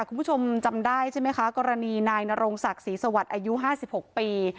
คุณผู้ชมจำได้ใช่ไหมคะกรณีนายนรงศักดิ์ศรีสวัสดิ์อายุ๕๖ปี